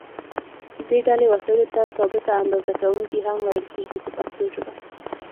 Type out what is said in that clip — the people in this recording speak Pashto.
دې ډلې وسایلو ته ثابته اندازه کوونکي هم ویل کېږي په پښتو ژبه.